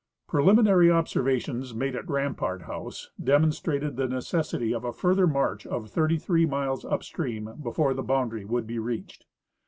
Preliminary observations made at Rampart house demon strated the necessity of a further march of 33 miles upstream before the boundary would be reached.